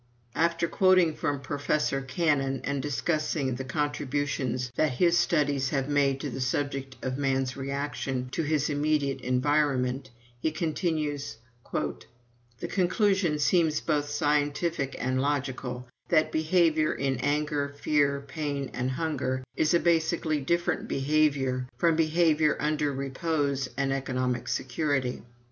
After quoting from Professor Cannon, and discussing the contributions that his studies have made to the subject of man's reaction to his immediate environment, he continues: "The conclusion seems both scientific and logical, that behavior in anger, fear, pain, and hunger is a basically different behavior from behavior under repose and economic security.